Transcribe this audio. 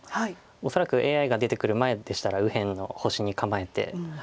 恐らくＡＩが出てくる前でしたら右辺の星に構えて。